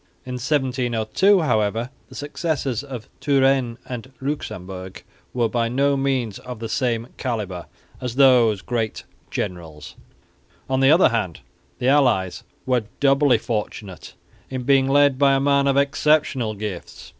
In 1702, however, the successors of Turenne and Luxemburg were by no means of the same calibre as those great generals. On the other hand, the allies were doubly fortunate in being led by a man of exceptional gifts.